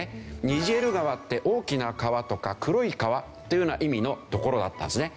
ニジェール川って大きな川とか黒い川というような意味の所だったんですね。